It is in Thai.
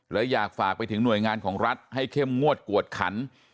และอยากฝากไปถึงหน่วยงานของรัฐให้เข้มงวดกวดขัน